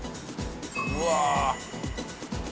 うわ！